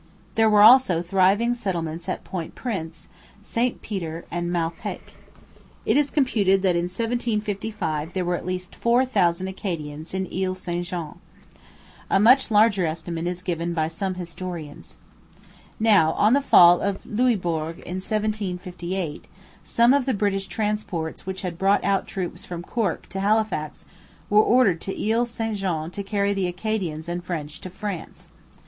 There were also thriving settlements at Point Prince, St Peter, and Malpeque. It is computed that in 1755 there were at least four thousand Acadians in Ile St Jean. A much larger estimate is given by some historians. Now, on the fall of Louisbourg in 1758, some of the British transports which had brought out troops from Cork to Halifax were ordered to Ile St Jean to carry the Acadians and French to France.